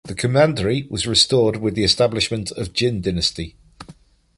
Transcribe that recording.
The commandery was restored with the establishment of Jin dynasty.